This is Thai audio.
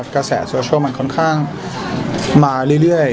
กระแสโซเชียลมันค่อนข้างมาเรื่อย